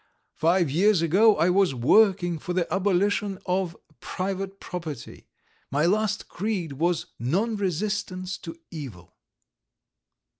Five years ago I was working for the abolition of private property; my last creed was non resistance to evil."